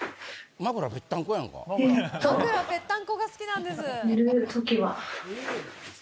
枕ぺったんこが好きなんです。